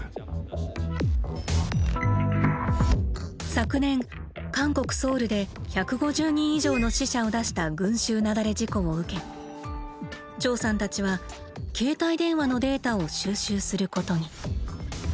昨年韓国ソウルで１５０人以上の死者を出した群衆雪崩事故を受け趙さんたちは携帯電話のデータを収集することに。